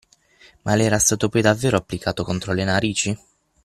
Ma le era stato poi davvero applicato contro le narici?